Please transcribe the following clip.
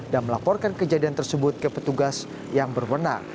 dan melaporkan kejadian tersebut ke petugas yang berbenar